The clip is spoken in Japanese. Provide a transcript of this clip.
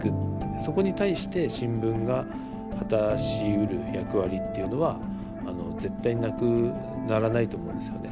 そこに対して新聞が果たしうる役割っていうのは絶対なくならないと思うんですよね。